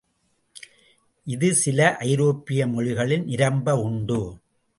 இது சில ஐரோப்பிய மொழிகளில் நிரம்ப உண்டு.